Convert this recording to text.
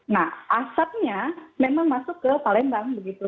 nah asapnya memang masuk ke palembang begitu